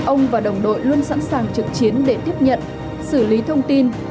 ông và đồng đội luôn sẵn sàng trực chiến để tiếp nhận xử lý thông tin